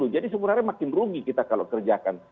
jadi sebenarnya makin rugi kita kalau kerjakan